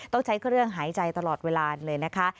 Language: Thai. ต้องใช้เครื่องหายใจตลอดเวลาเลยนะคะ